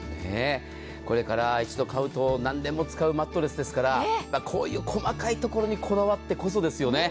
これから一度買うと何年も使うマットレスですから、こういう細かいところにこだわってこそですよね。